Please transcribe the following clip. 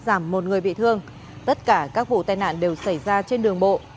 giảm một người bị thương tất cả các vụ tai nạn đều xảy ra trên đường bộ